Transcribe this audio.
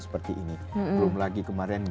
seperti ini belum lagi kemarin